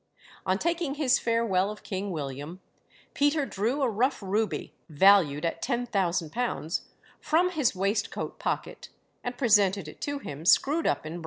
On taking his farewell of King William, Peter drew a rough ruby, valued at £10,000, from his waistcoat pocket, and presented it to him screwed up in brown paper.